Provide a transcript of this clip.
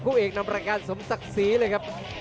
คู่เอกนำรักการสมศักดิ์สีเลยครับ